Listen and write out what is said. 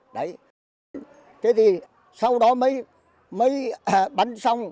đấy thế thì sau đó mới bắn xong